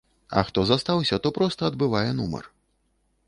А хто застаўся, то проста адбывае нумар.